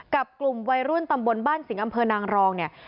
กับกลุ่มวัยรุ่นตำบลบ้านสิงห์อำเภอนางรองเนี่ย